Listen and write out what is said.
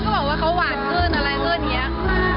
เขาบอกว่าเขาหวานขึ้นอะไรขึ้นอย่างนี้